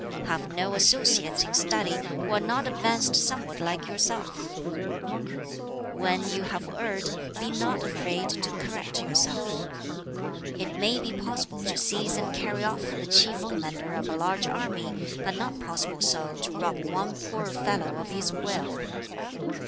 "Have no associates in study who are not advanced somewhat like yourself. "When you have erred, be not afraid to correct yourself. "It may be possible to seize and carry off the chief commander of a large army, but not possible so to rob one poor fellow of his will.